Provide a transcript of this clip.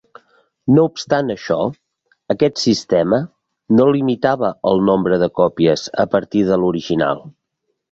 No obstant això, aquest sistema no limitava el nombre de còpies a partir de l'original.